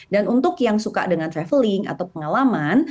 dan untuk yang suka dengan traveling atau pengalaman